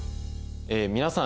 皆さん